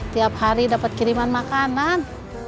tiap hari dapat kiriman makanan